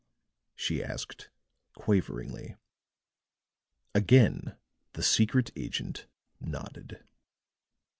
she asked, quaveringly. Again the secret agent nodded.